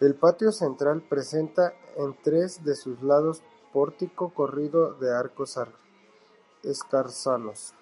El patio central presenta en tres de sus lados pórtico corrido de arcos escarzanos.